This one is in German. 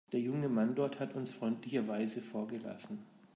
Der junge Mann dort hat uns freundlicherweise vorgelassen.